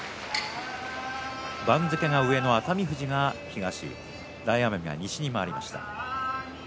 番付が上の熱海富士が東大奄美が西に回りました。